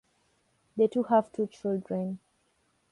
The two have two children.